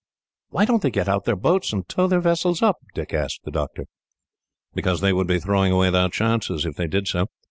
"Why don't they get out their boats, and tow their vessels up?" Dick asked the doctor. "Because they would be throwing away their chances, if they did so.